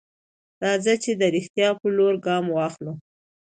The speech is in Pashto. راځئ چې د رښتيا په لور ګام واخلو.